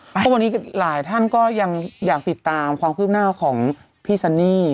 เพราะวันนี้หลายท่านก็ยังอยากติดตามความคืบหน้าของพี่ซันนี่